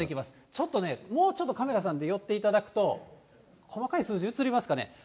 ちょっとね、もうちょっとカメラさんに寄っていただくと、細かい数字、映りますかね。